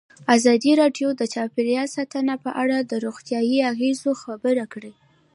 ازادي راډیو د چاپیریال ساتنه په اړه د روغتیایي اغېزو خبره کړې.